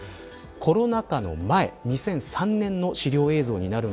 コロナ禍の前２００３年の資料映像です。